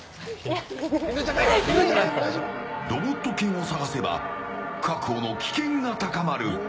ロボット犬を探せば確保の危険が高まる。